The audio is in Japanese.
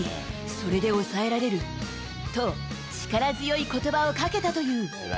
それで抑えられると、力強いことばをかけたという。